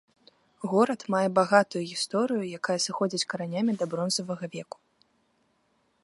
Горад мае багатую гісторыю, якая сыходзіць каранямі да бронзавага веку.